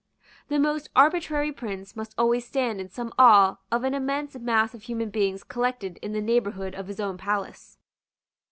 The most arbitrary prince must always stand in some awe of an immense mass of human beings collected in the neighbourhood of his own palace.